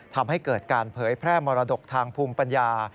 ทำให้เกิดการเผยแพร่มรดกทางภูมิปัญญา